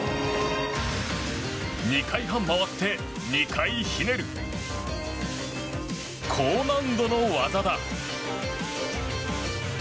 ２回半回って２回ひねる高難度の技だ。